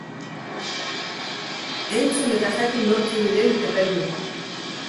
Entzun eta jakin nortzuk diren txapeldunak!